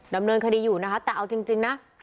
ดำเนินคดีอยู่นะคะแต่เอาจริงนะ